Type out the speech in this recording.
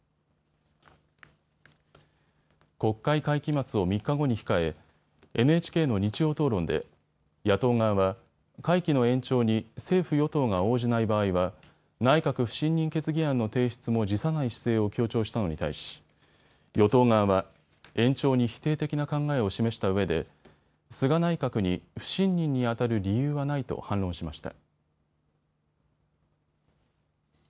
国会会期末を３日後に控えＮＨＫの日曜討論で野党側は会期の延長に政府与党が応じない場合は内閣不信任決議案の提出も辞さない姿勢を強調したのに対し与党側は延長に否定的な考えを示したうえで菅内閣に不信任にあたる理由はないと反論しました。